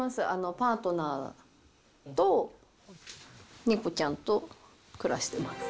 パートナーと猫ちゃんと暮らしてます。